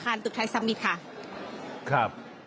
ครับ